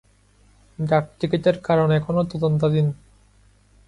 ডাকটিকিটের কারণ এখনো তদন্তাধীন।